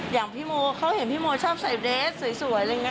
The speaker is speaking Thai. อย่างพี่โมเขาเห็นพี่โมชอบใส่เดรสสวยอะไรอย่างนี้